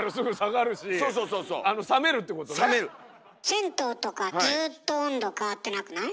銭湯とかずっと温度変わってなくない？